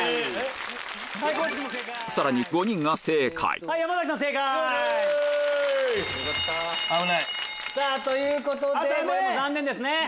さらに５人が正解よっしゃ！ということで残念ですね。